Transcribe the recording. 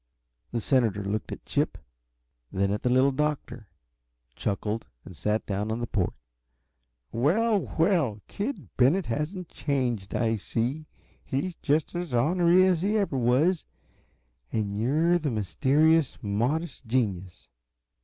The senator looked at Chip, then at the Little Doctor, chuckled and sat down on the couch. "Well, well! Kid Bennett hasn't changed, I see. He's just as ornery as he ever was. And you're the mysterious, modest genius!